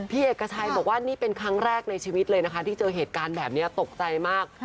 เอกชัยบอกว่านี่เป็นครั้งแรกในชีวิตเลยนะคะที่เจอเหตุการณ์แบบนี้ตกใจมาก